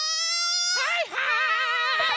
はいはい！